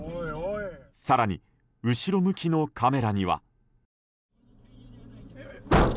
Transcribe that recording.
更に、後ろ向きのカメラには。